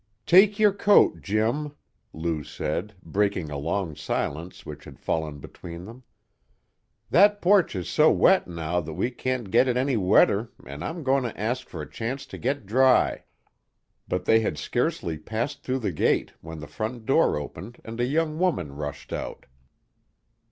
"Take your coat, Jim," Lou said, breaking a long silence which had fallen between them. "That porch is so wet now that we can't get it any wetter an' I'm goin' to ask for a chance to get dry." But they had scarcely passed through the gate when the front door opened and a young woman rushed out.